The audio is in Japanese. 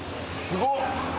すごい。